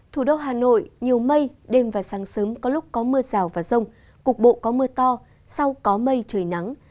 thủ đô hà nội nhiều mây đêm và sáng sớm có lúc có mưa rào và rông cục bộ có mưa to sau có mây trời nắng